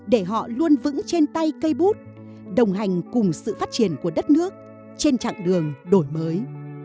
để họ luôn vững trên tay cây bút đồng hành cùng sự phát triển của đất nước trên chặng đường đổi mới